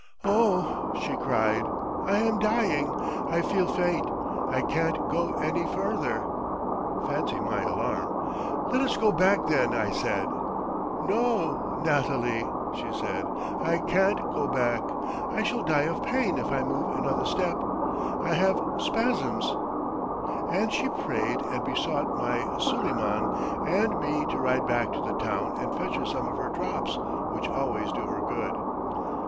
'Oh,' she cried, 'I am dying! I feel faint! I can't go any further' Fancy my alarm! 'Let us go back then,' I said. 'No, Natalie,' she said, 'I can't go back! I shall die of pain if I move another step! I have spasms.' And she prayed and besought my Suleiman and me to ride back to the town and fetch her some of her drops which always do her good."